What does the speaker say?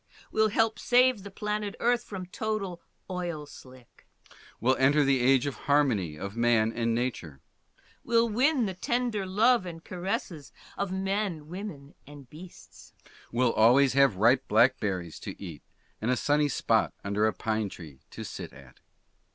Will help save the planet Earth from total oil slick. Will enter the age of harmony of man and nature. Will win the tender love and caresses of men, women, and beasts. Will always have ripe blackberries to eat and a sunny spot under a pine tree to sit at.